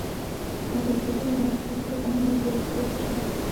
Naznačují to jiné historické prameny i politická situace.